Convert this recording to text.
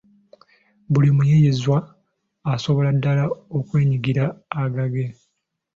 buli muyiiyizwa asobolera ddala okweggyiramu agage